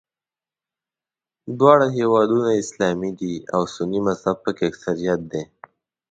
دواړه هېوادونه اسلامي دي او سني مذهب په کې اکثریت دی.